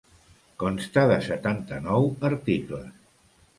Consta de setanta-nou articles.